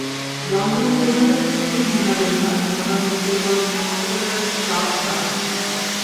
রঞ্জন দেবনাথের স্ত্রী Bina Debnath Dhaka medical college হাসপাতালের স্টাফ নার্স।